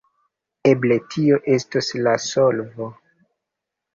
Eble tio estos la solvo.